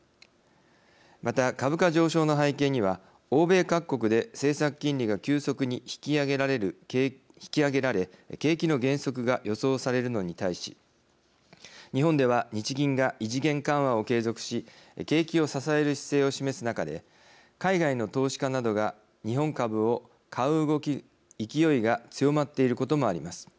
また株価上昇の背景には欧米各国で政策金利が急速に引き上げられ景気の減速が予想されるのに対し日本では日銀が異次元緩和を継続し景気を支える姿勢を示す中で海外の投資家などが日本株を買う勢いが強まっていることもあります。